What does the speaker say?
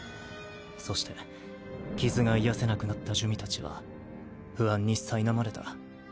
そして傷が癒せなくなった珠魅たちは不安にさいなまれた。